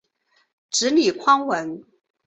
子李匡文。